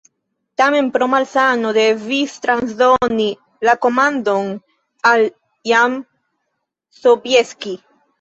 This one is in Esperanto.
Tamen pro malsano devis transdoni la komandon al Jan Sobieski.